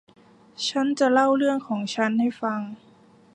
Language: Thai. ฉันจะเล่าเรื่องของฉันให้ฟัง